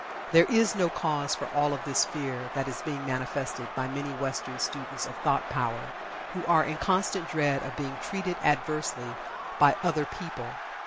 There is no cause for all of this fear that is being manifested by many Western students of thought power, who are in constant dread of being "treated" adversely by other people.